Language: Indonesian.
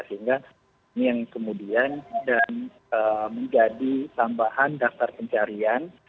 sehingga ini yang kemudian dan menjadi tambahan daftar pencarian